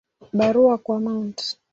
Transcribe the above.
Barua kwa Mt.